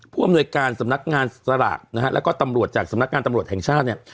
ผู้อำนวยการสำนักงานสลากนะฮะแล้วก็ตำรวจจากสำนักงานตำรวจแห่งชาติเนี่ย